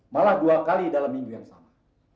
malah dua kali dalam minggu yang sama